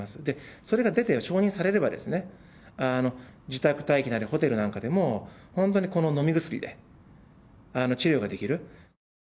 それが出て、承認されれば、自宅待機やホテルなんかでも、本当にこの飲み薬で治療ができる。